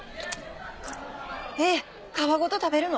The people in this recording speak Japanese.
えっ皮ごと食べるの？